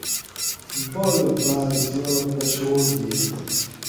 بالہ باٞر زیات پشمان ہی